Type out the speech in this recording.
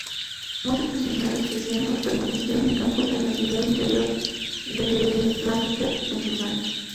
Muchos prisioneros hessianos permanecieron en campos en la ciudad interior de Lancaster, Pensilvania.